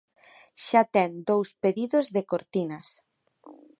Xa ten dous pedidos de cortinas.